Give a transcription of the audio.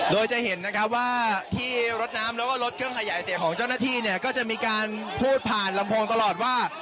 โดยจะเห็นนะครับว่าที่รถน้ำแล้วก็รถเครื่องขยายเสียงของเจ้าหน้าที่เนี่ยก็จะมีการพูดผ่านลำโพงตลอดว่า